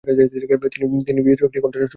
তিনি বিচিত্র একটি কণ্ঠস্বর শুনলেন সেখানে।